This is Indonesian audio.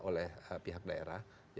oleh pihak daerah